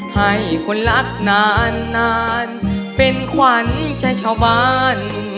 ให้คนรักนานเป็นขวัญใจชาวบ้าน